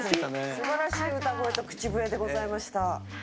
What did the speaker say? すばらしい歌声と口笛でございました。